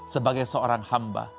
sebagai seorang hamba